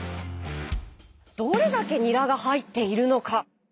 どれだけニラが入っているのか？